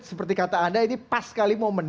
seperti kata anda ini pas sekali momen